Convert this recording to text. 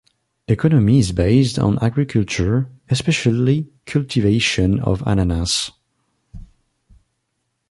Economy is based on agriculture, especially cultivation of ananas.